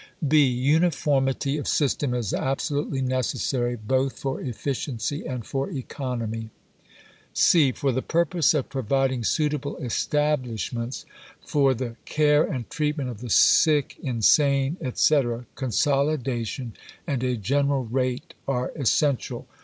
(B) Uniformity of system is absolutely necessary, both for efficiency and for economy. (C) For the purpose of providing suitable establishments for the care and treatment of the Sick, Insane, etc., consolidation and a General Rate are essential.